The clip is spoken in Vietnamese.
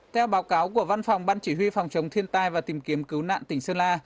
theo báo cáo của văn phòng ban chỉ huy phòng chống thiên tai và tìm kiếm cứu nạn tỉnh sơn la